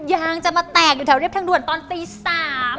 ยางจะมาแตกอยู่แถวเรียบทางด่วนตอนตี๓